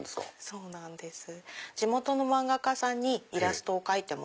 そうなんですよ。